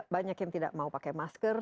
banyak yang tidak mau pakai masker